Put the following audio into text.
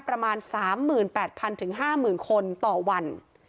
ประมาณ๓๘๐๐๕๐๐คนต่อวัน